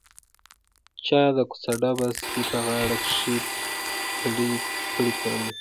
چا د کوڅه ډبه سپي په غاړه کښې پړى تړلى.